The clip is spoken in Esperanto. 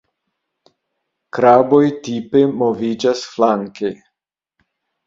Kraboj tipe moviĝas flanke.